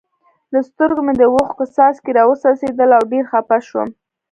له سترګو مې د اوښکو څاڅکي را و څڅېدل او ډېر خپه شوم.